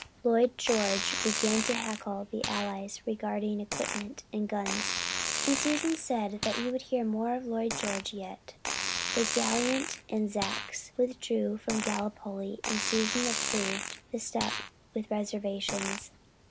Lloyd George began to heckle the Allies regarding equipment and guns and Susan said you would hear more of Lloyd George yet. The gallant Anzacs withdrew from Gallipoli and Susan approved the step, with reservations.